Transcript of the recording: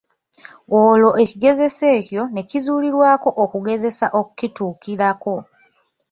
Olwo ekigezeso ekyo ne kizuulirwako okugezesa okukituukirako.